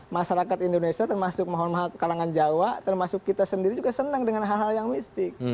masyarakat indonesia termasuk mahal mahal kalangan jawa termasuk kita sendiri juga senang dengan hal hal yang mistik